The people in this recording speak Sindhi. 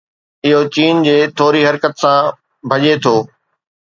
اهو چپن جي ٿوري حرڪت سان ڀڃي ٿو